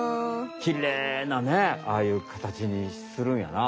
きれいなねああいうかたちにするんやな。